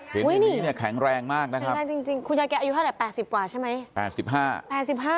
เห็นอันนี้แข็งแรงมากนะครับคุณยายแกอายุเท่าไหร่๘๐กว่าใช่ไหม